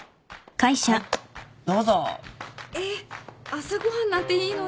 朝ご飯なんていいのに。